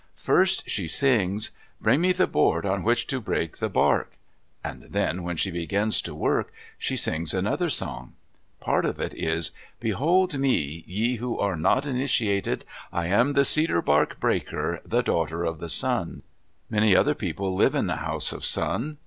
First she sings, "Bring me the board on which to break the bark," and then when she begins to work, she sings another song. Part of it is, "Behold me, ye who are not initiated. I am the Cedar bark Breaker, the Daughter of Sun." Many other people live in the House of Sun.